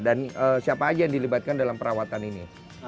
dan siapa aja yang dilibatkan dalam perawatan ini